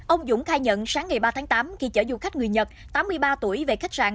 ông dũng khai nhận sáng ngày ba tháng tám khi chở du khách người nhật tám mươi ba tuổi về khách sạn